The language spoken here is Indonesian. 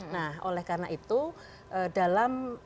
nah oleh karena itu dalam